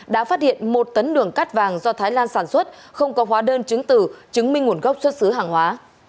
đã phát hiện một tấn đường cát vàng do thái lan sản xuất không có hóa đơn chứng tử chứng minh nguồn gốc xuất xứ hàng hóa